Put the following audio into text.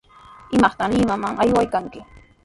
¿Imaqta Limaman aywaykanki?